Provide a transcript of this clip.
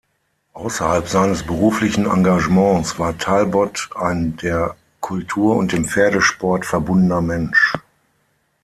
Außerhalb seines beruflichen Engagements war Talbot ein der Kultur und dem Pferdesport verbundener Mensch.